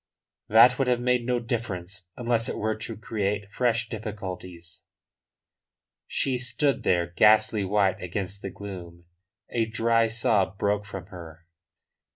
"That would have made no difference unless it were to create fresh difficulties." She stood there ghostly white against the gloom. A dry sob broke from her.